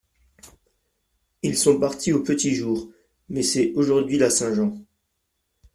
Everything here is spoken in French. Ils sont partis au petit jour … mais c'est aujourd'hui la Saint-Jean.